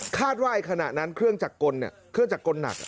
คาดว่าไอ้ขนาดนั้นเครื่องจักรกลเนี่ยเครื่องจักรกลหนัก